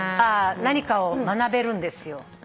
あ何かを学べるんですよ。